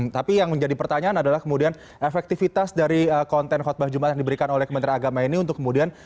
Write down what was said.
tapi yang menjadi pertanyaan adalah kemudian efektivitas dari konten khutbah jumat yang diberikan oleh kementerian agama ini untuk kemudian